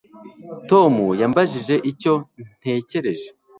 Tom yambajije icyo ntegereje